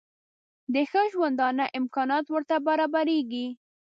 د ښه ژوندانه امکانات ورته برابرېږي.